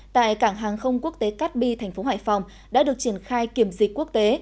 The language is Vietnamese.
tại cảng hàng không quốc tế cát bi thành phố hải phòng đã được triển khai kiểm dịch quốc tế